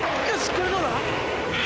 これでどうだ？